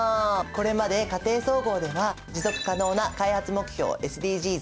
これまで「家庭総合」では持続可能な開発目標